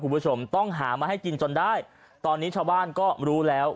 คุณผู้ชมต้องหามาให้กินจนได้ตอนนี้ชาวบ้านก็รู้แล้ว